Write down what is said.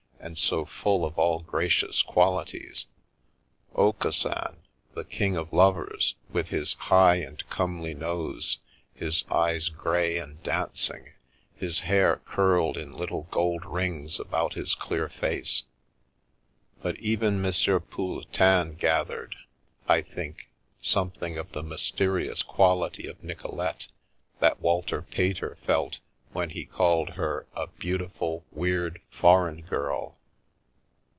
and so full of all gracious qual ities ;" Aucassin, the king of lovers, with his " high and comely nose," his " eyes grey and dancing," his " hair curled in little gold rings about his clear face." But even M. Pouletin gathered, I think, something of the mysterious quality of Nicolete that Walter Pater felt when he called her a " beautiful, weird, foreign girl."